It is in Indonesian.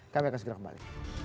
kami akan segera kembali